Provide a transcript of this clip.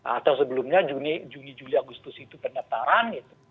atau sebelumnya juni juli agustus itu pendaftaran gitu